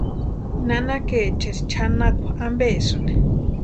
¿Nanakaecheri chʼanakwa ampesïni?